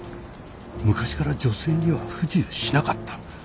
昔から女性には不自由しなかった。